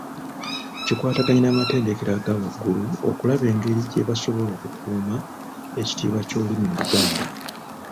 Kikwataganye n’amatendekero aga waggulu okulaba engeri gye basobola okukuuma ekitiibwa ky’olulimi Oluganda.